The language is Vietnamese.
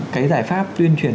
cái giải pháp tuyên truyền